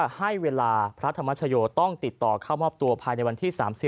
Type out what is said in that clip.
ให้เวลาพระธรรมชโยต้องติดต่อเข้ามอบตัวภายในวันที่๓๐